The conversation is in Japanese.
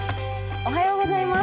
おはようございます。